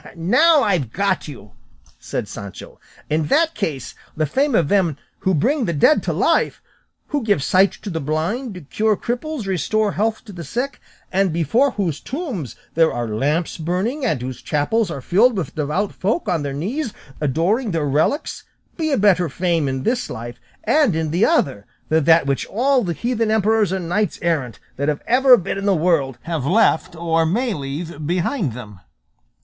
"Now I have got you," said Sancho; "in that case the fame of them who bring the dead to life, who give sight to the blind, cure cripples, restore health to the sick, and before whose tombs there are lamps burning, and whose chapels are filled with devout folk on their knees adoring their relics be a better fame in this life and in the other than that which all the heathen emperors and knights errant that have ever been in the world have left or may leave behind them?"